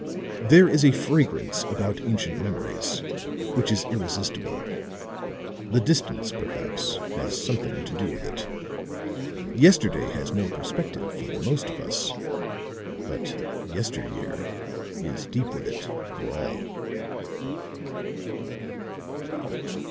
There is a fragrance about ancient memories which is irresistible. The distance, perhaps, has something to do with it. Yesterday has no perspective for the most of us; but 'yester year' is deep with it, for all."